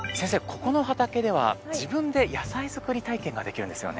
ここの畑では自分で野菜作り体験ができるんですよね？